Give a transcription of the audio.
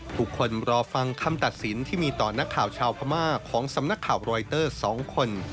คนรอฟังคำตัดสินที่มีต่อนักข่าวชาวพม่าของสำนักข่าวรอยเตอร์๒คน